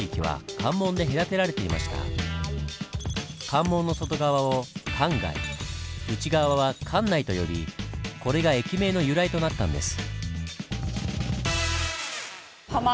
関門の外側を「関外」内側は「関内」と呼びこれが駅名の由来となったんです。